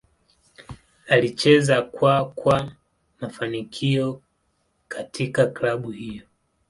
Alicheza kwa kwa mafanikio katika klabu hiyo.